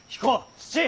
七！